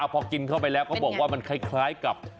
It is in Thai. พอกินเข้าไปแล้วเขาบอกว่ามันคล้ายกับ